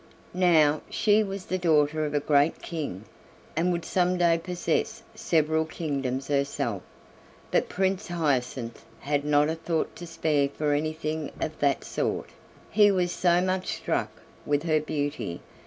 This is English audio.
Now, she was the daughter of a great king, and would some day possess several kingdoms herself; but Prince Hyacinth had not a thought to spare for anything of that sort, he was so much struck with her beauty.